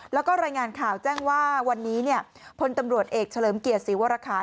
แล้วก็รายงานข่าวแจ้งว่าวันนี้พลตำรวจเอกเฉลิมเกียรติศรีวรคาร